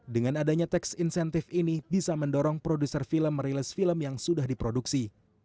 dengan adanya tax incentive ini bisa mendorong produser film merilis film yang sudah diproduksi